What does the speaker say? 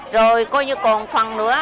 rồi còn phần nữa